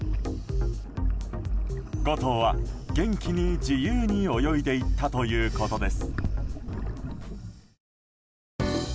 ５頭は元気に自由に泳いでいったということです。